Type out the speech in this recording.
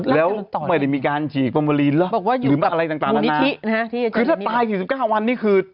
แล้วไม่ได้มีการจิกบรรเวิลีหรืออะไรต่างด้านนนั้น